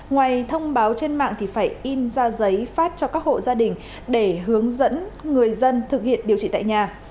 ngoài thông báo trên mạng thì phải in ra giấy phát cho các hộ gia đình để hướng dẫn người dân thực hiện điều trị tại nhà